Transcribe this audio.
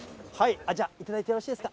じゃあ、頂いてよろしいですか。